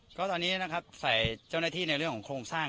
ก็ตอนนี้นะครับฝ่ายเจ้าหน้าที่ในเรื่องของโครงสร้าง